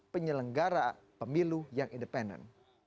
penyelenggara pemilu yang independen